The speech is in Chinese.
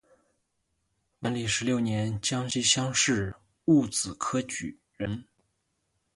万历十六年江西乡试戊子科举人。